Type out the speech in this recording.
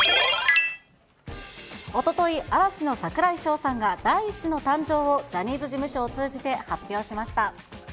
おととい、嵐の櫻井翔さんが第１子の誕生を、ジャニーズ事務所を通じて発表しました。